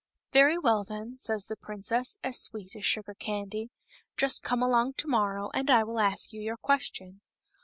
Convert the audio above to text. "Very well, then," says the princess, as sweet as sugar candy, "just come along to morrow, and I will ask you your question."